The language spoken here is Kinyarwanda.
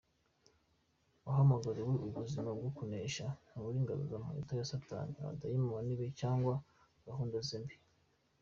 Wahamagariwe ubuzima bwo kunesha; nturi ingaruzwamuheto ya satani; abadayimoni be cywangwa gahunda ze mbi.